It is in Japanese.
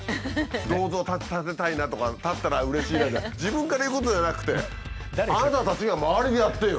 銅像を建てたいなとか建ったらうれしいなって自分から言うことじゃなくてあなたたちが周りでやってよ。